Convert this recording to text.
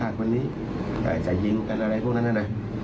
และก็ไม่ได้ยัดเยียดให้ทางครูส้มเซ็นสัญญา